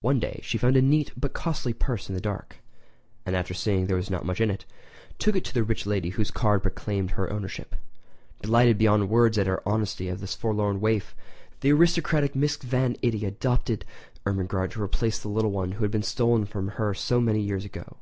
One day she found a neat but costly purse in the dark; and after seeing that there was not much in it, took it to the rich lady whose card proclaimed her ownership. Delighted beyond words at the honesty of this forlorn waif, the aristocratic Mrs. Van Itty adopted Ermengarde to replace the little one who had been stolen from her so many years ago.